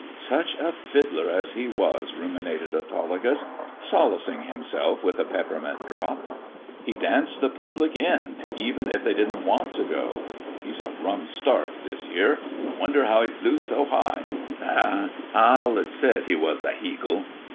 " Such a fiddler as he was," ruminated Autolycus, solacing himself with a peppermint drop. " He danced the public in even if they didn't want to go. It's a rum start, this here. I wonder how he flew so high ! Ah ! I allays said he was a beagle."